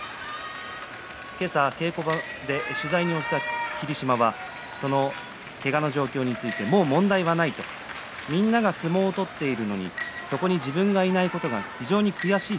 今日、稽古場で取材に応じました霧島は、けがの状況についてもう問題はないみんなが相撲を取っているのにそこに自分がいないことが非常に悔しい。